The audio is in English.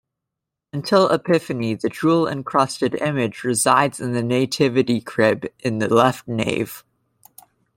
Until Epiphany the jewel-encrusted image resides in the Nativity crib in the left nave.